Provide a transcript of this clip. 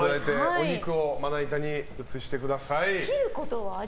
お肉をまな板に移してください。